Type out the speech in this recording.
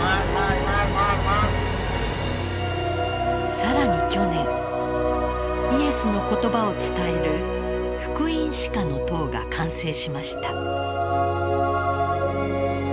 更に去年イエスの言葉を伝える福音史家の塔が完成しました。